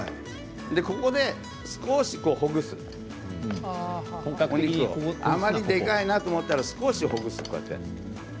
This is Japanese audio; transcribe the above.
ここで少しほぐすあまりでかいなと思ったら少しほぐす。